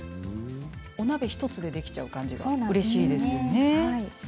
お鍋１つでできちゃう感じがうれしいですよね。